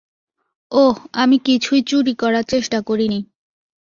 ওহ, আমি কিছুই চুরি করার চেষ্টা করিনি।